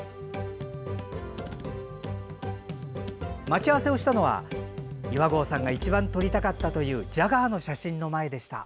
待ち合わせをしたのは岩合さんが一番撮りたかったというジャガーの写真の前でした。